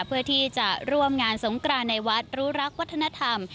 เพื่อที่จะร่วมงานสงกรานในวัดรู้รักวัฒนธรรม